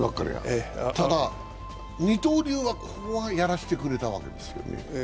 ただ、二刀流はここはやらせてくれたわけですよね。